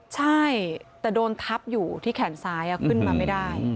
ใช่แต่โดนทับอยู่ที่แขนซ้ายขึ้นมาไม่ได้